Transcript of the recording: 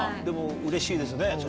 でもうれしいですね。